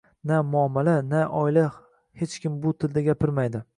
Na muomalada, na oilada hech kim bu tilda gapirmaydi